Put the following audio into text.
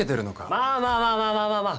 まあまあまあまあまあまあまあ。